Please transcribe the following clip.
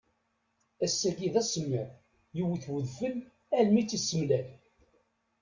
Ass-agi d asemmiḍ, yewwet udfel almi i tt-isemlal.